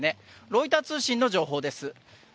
ロイター通信の情報です。